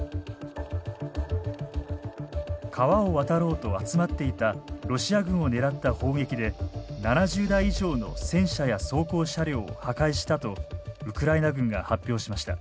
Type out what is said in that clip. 川を渡ろうと集まっていたロシア軍を狙った砲撃で７０台以上の戦車や装甲車両を破壊したとウクライナ軍が発表しました。